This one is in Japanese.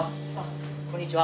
こんにちは。